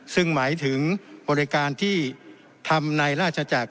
ซึ่งหมายถึงบริการที่ทำในราชจักร